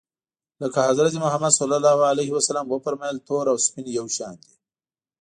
لکه حضرت محمد ص و فرمایل تور او سپین یو شان دي.